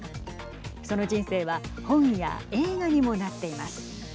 その人生は本や映画にもなっています。